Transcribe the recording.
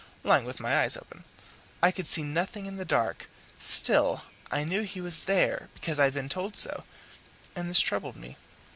Lying with my eyes open, I could see nothing in the dark; still, I knew he was there, because I had been told so, and this troubled me.